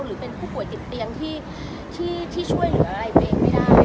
หรือเป็นผู้ป่วยติดเตียงที่ช่วยเหลืออะไรไปเองไม่ได้